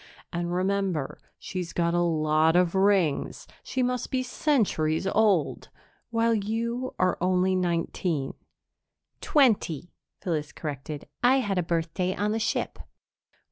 "And, remember, she's got a lot of rings she must be centuries old while you are only nineteen." "Twenty," Phyllis corrected. "I had a birthday on the ship."